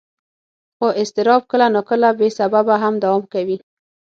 خو اضطراب کله ناکله بې سببه هم دوام کوي.